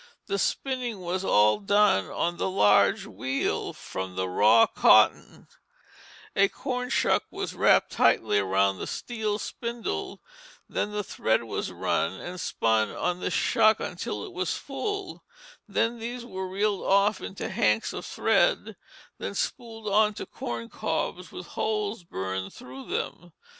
The spinning was all done on the large wheel, from the raw cotton; a corn shuck was wrapped tightly around the steel spindle, then the thread was run and spun on this shuck until it was full; then these were reeled off into hanks of thread, then spooled on to corn cobs with holes burned through them.